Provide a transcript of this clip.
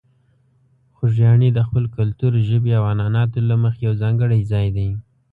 خوږیاڼي د خپل کلتور، ژبې او عنعناتو له مخې یو ځانګړی ځای دی.